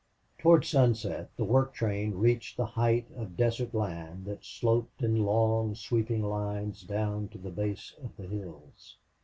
Toward sunset the work train reached the height of desert land that sloped in long sweeping lines down to the base of the hills.